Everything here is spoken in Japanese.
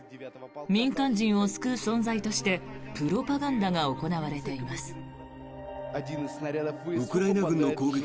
民間人を救う存在としてプロパガンダが行われています。